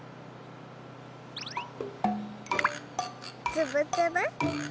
つぶつぶ。